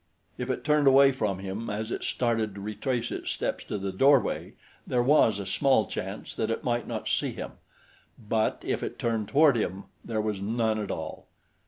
If it turned away from him as it started to retrace its steps to the doorway, there was a small chance that it might not see him; but if it turned toward him there was none at all.